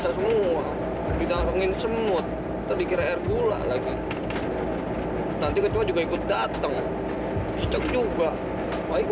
sampai jumpa di video selanjutnya